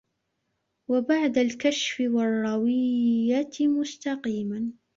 وَبَعْدَ الْكَشْفِ وَالرَّوِيَّةِ مُسْتَقِيمًا